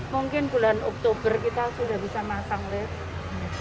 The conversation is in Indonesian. mungkin bulan oktober kita sudah bisa masang lift